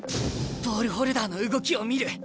ボールホルダーの動きを見る。